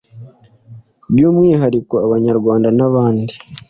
by umwihariko abanyarwanda n abandi